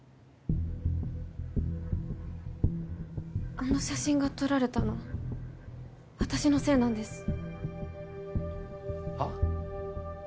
あの写真が撮られたの私のせいなんです・はっ？